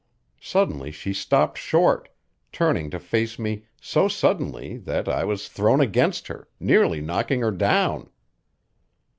Suddenly she stopped short, turning to face me so suddenly that I was thrown against her, nearly knocking her down.